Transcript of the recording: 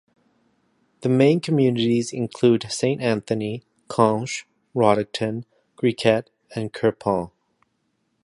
The main communities include Saint Anthony, Conche, Roddickton, Griquet and Quirpon.